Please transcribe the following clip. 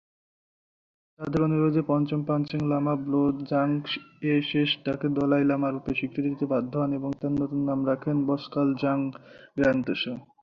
তাদের অনুরোধে পঞ্চম পাঞ্চেন লামা ব্লো-ব্জাং-য়ে-শেস তাকে দলাই লামা রূপে স্বীকৃতি দিতে বাধ্য হন এবং তার নতুন নাম রাখেন ব্স্কাল-ব্জাং-র্গ্যা-ম্ত্শো।